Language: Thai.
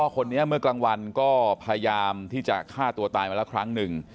คนนี้เมื่อกลางวันก็พยายามที่จะฆ่าตัวตายมาแล้วครั้งหนึ่ง